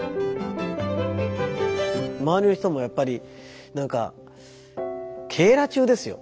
周りの人もやっぱり何か警ら中ですよ。